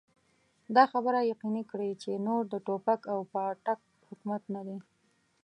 دا خبره يقيني کړي چې نور د ټوپک او پاټک حکومت نه دی.